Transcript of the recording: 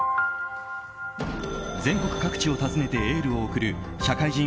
全国各地を訪ねてエールを送る社会人